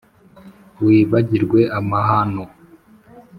wibagirwe amahano